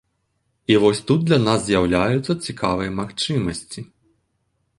І вось тут для нас з'яўляюцца цікавыя магчымасці.